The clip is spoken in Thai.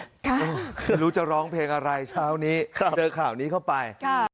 ไม่รู้จะร้องเพลงอะไรเช้านี้เจอข่าวนี้เข้าไป